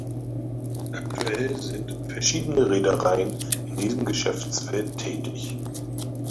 Aktuell sind verschiedene Reedereien in diesem Geschäftsfeld tätig.